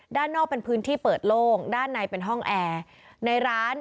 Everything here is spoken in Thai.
ด้านนอกเป็นพื้นที่เปิดโล่งด้านในเป็นห้องแอร์ในร้าน